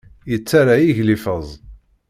Yettara igellifeẓ.